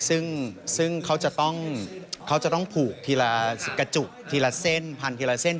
ซึ่งเขาจะต้องเขาจะต้องผูกทีละกระจุกทีละเส้นพันทีละเส้น